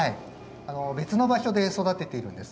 別の場所で育てているんです。